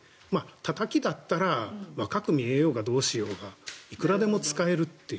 たたきだったら若く見えようがどうしようがいくらでも使えるという。